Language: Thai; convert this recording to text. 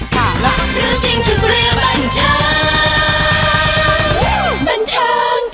รับรู้จริงถือกระเรื่องบันเทิง